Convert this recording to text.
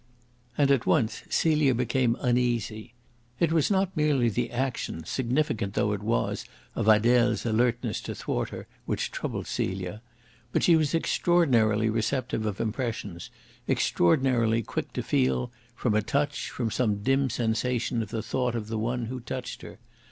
And at once Celia became uneasy. It was not merely the action, significant though it was of Adele's alertness to thwart her, which troubled Celia. But she was extraordinarily receptive of impressions, extraordinarily quick to feel, from a touch, some dim sensation of the thought of the one who touched her.